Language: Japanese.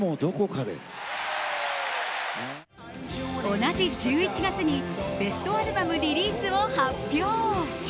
同じ１１月にベストアルバムリリースを発表。